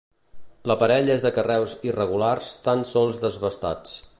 L'aparell és de carreus irregulars tan sols desbastats.